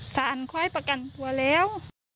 สาหันต์ค่อยประกันตัวแล้ว